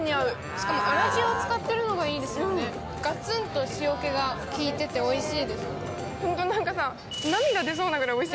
しかも粗塩使ってるのがいいですよね、ガツンと塩気が効いてておいしいです。